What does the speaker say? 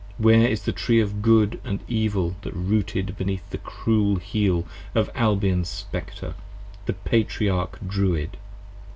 Where is the Tree of Good & Evil that rooted beneath the cruel heel Of Albion's Spectre, the Patriarch Druid!